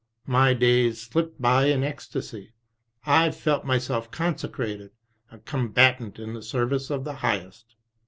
My days slipped by in ecstasy; I felt myself conse crated a combatant in the service of the Highest.